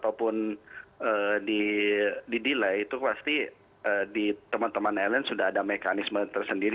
yang sudah di cancel atau di delay itu pasti di teman teman island sudah ada mekanisme tersendiri